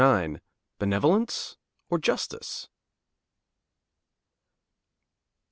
IX BENEVOLENCE, OR JUSTICE?